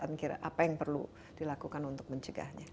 dan kira kira apa yang perlu dilakukan untuk mencegahnya